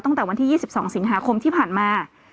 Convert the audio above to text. ตั้งแต่วันที่๒๒สิงหาคมที่ผ่านมา